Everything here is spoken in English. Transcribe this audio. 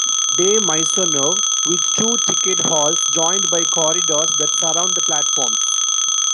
De Maisonneuve, with two ticket halls joined by corridors that surround the platforms.